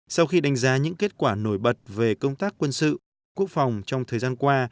sau khi đánh giá những kết quả nổi bật về công tác quân sự quốc phòng trong thời gian qua